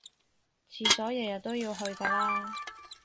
廁所日日都要去㗎啦